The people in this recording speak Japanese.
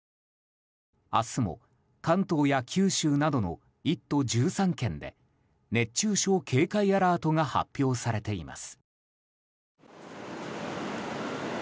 明日も関東や九州などの１都１３県で熱中症警戒アラートが発表されています。